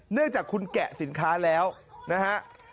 เนื่องจากคุณแกะสินค้าแล้วนะฮะ